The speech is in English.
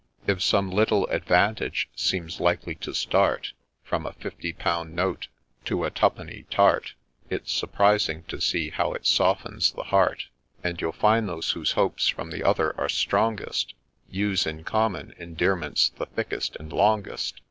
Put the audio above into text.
If some little advantage seems likely to start, From a fifty pound note to a two penny tart, It 'B surprising to see how it softens the heart, And you'll find those whose hopes from the other are strongest, Use, in common, endearments the thickest and longest.